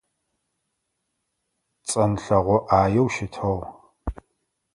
Цӏэнлъэгъо ӏаеу щытыгъ.